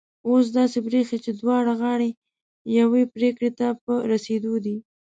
اوس داسي برېښي چي دواړه غاړې یوې پرېکړي ته په رسېدو دي